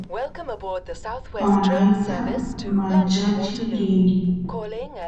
panayta manchachiy rini